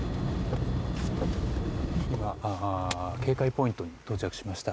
警戒ポイントに到着しました。